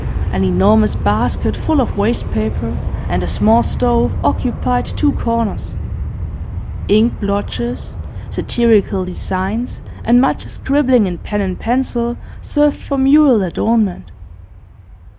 An enormous basket full of waste paper, and a small stove, occupied two corners; ink blotches, satirical designs, and much scribbling in pen and pencil served for mural adornment.